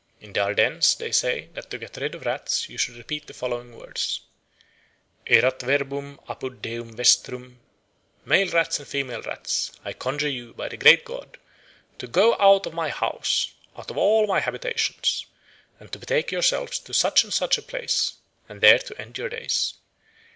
In the Ardennes they say that to get rid of rats you should repeat the following words: "Erat verbum, apud Deum vestrum. Male rats and female rats, I conjure you, by the great God, to go out of my house, out of all my habitations, and to betake yourselves to such and such a place, there to end your days.